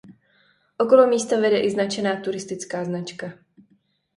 Okolo místa vede i značená turistická značka.